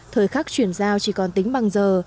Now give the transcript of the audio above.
thời khắc chuyển giao chỉ còn tính bằng giờ